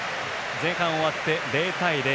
前半終わって、０対０。